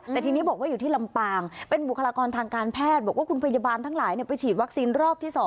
แต่ทีนี้บอกว่าอยู่ที่ลำปางเป็นบุคลากรทางการแพทย์บอกว่าคุณพยาบาลทั้งหลายไปฉีดวัคซีนรอบที่๒